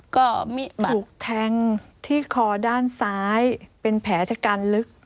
ก็ถูกแทงที่คอด้านซ้ายเป็นแผลชะกันลึก